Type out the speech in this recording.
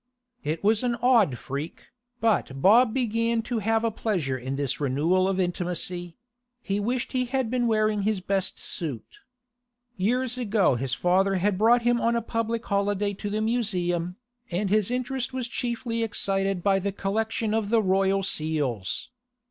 It was an odd freak, but Bob began to have a pleasure in this renewal of intimacy; he wished he had been wearing his best suit. Years ago his father had brought him on a public holiday to the Museum, and his interest was chiefly excited by the collection of the Royal Seals.